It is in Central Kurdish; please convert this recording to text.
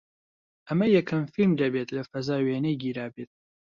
ئەمە یەکەم فیلم دەبێت لە فەزا وێنەی گیرابێت